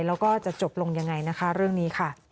แล้วก็จะจบลงยังไงนะคะเรื่องนี้ค่ะ